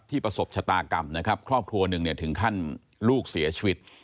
ประสบชะตากรรมนะครับครอบครัวหนึ่งเนี่ยถึงขั้นลูกเสียชีวิต